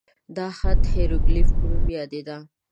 دا خط د هیروګلیف په نوم یادېده.